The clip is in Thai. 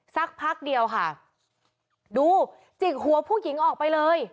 สักพักเดียวค่ะดูจิกหัวผู้หญิงออกไปเลย